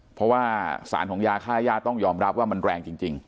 เพราะว่าสารของยาค่าย่าต้องยอมรับว่ามันแรงจริง